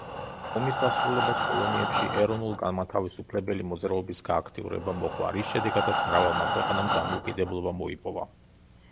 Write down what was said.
ომის დასრულებას კოლონიებში ეროვნულ-განმათავისუფლებელი მოძრაობის გააქტიურება მოჰყვა, რის შემდეგაც მრავალმა ქვეყანამ დამოუკიდებლობა მოიპოვა.